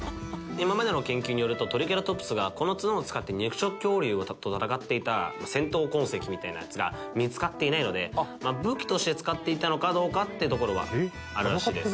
今までの研究によるとトリケラトプスがこのツノを使って肉食恐竜と戦っていた戦闘痕跡みたいなやつが見つかっていないので武器として使っていたのかどうかっていうところはあるらしいです。